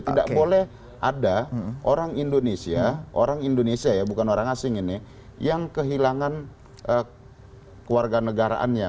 tidak boleh ada orang indonesia orang indonesia ya bukan orang asing ini yang kehilangan keluarga negaraannya